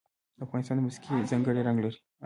د افغانستان موسیقي ځانګړی رنګ لري.